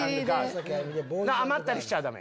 余ったりしちゃダメ。